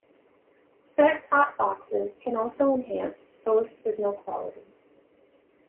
Set-top boxes can also enhance source signal quality.